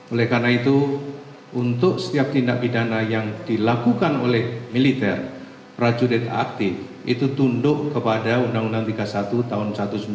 oleh karena itu untuk setiap tindak pidana yang dilakukan oleh militer prajurit aktif itu tunduk kepada undang undang tiga puluh satu tahun seribu sembilan ratus sembilan puluh sembilan